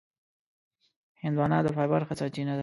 هندوانه د فایبر ښه سرچینه ده.